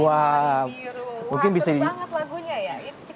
wah seru banget lagunya ya